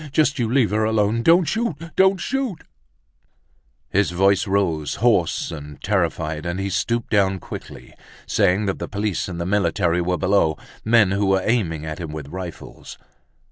—just you leave her alone—don't shoot! Don't shoot—" His voice rose, hoarse and terrified and he stooped down quickly, saying that the police and the military were below, men who were aiming at him with rifles.